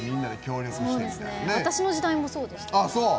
私の時代もそうでした。